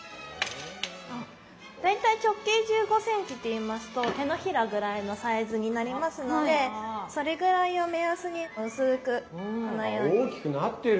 大体直径１５ｃｍっていいますと手のひらぐらいのサイズになりますのでそれぐらいを目安に薄くこのように。大きくなってる。